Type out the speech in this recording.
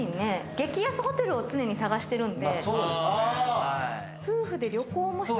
激安ホテルを常に探してるんで。